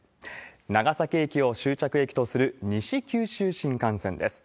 長崎駅を終着駅とする西九州新幹線です。